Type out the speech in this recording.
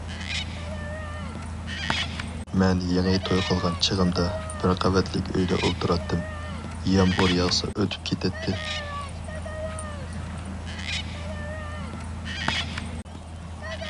مەن يېڭى توي قىلغان چېغىمدا بىر قەۋەتلىك ئۆيدە ئولتۇراتتىم، يامغۇر ياغسا ئۆتۈپ كېتەتتى.